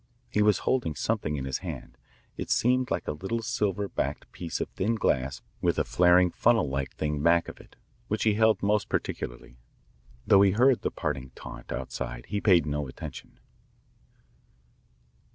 He was holding something in his hand. It seemed like a little silver backed piece of thin glass with a flaring funnel like thing back of it, which he held most particularly. Though he heard the parting taunt outside he paid no attention.